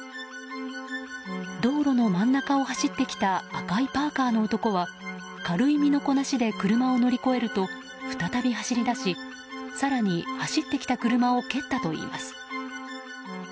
道路の真ん中を走ってきた赤いパーカの男は軽い身のこなしで車を乗り越えると、再び走り出し更に、走ってきた車を蹴ったといいます。